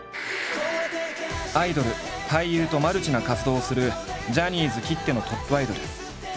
アイドル俳優とマルチな活動をするジャニーズきってのトップアイドル。